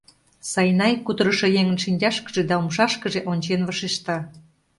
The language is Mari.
Сайнай кутырышо еҥын шинчашкыже да умшашкыже ончен вашешта.